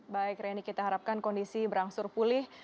baik reni kita harapkan kondisi berangsur pulih